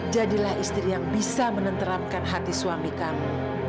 jadilah istri yang bisa menenteramkan hati suami kamu